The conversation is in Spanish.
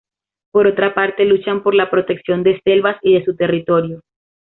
Por otra parte luchan por la protección de selvas y de su territorio.